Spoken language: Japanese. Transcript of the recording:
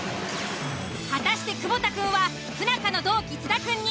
果たして久保田くんは不仲の同期津田くんに。